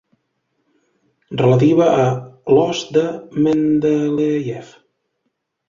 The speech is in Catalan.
Relativa a l'Os de Mendelèjev.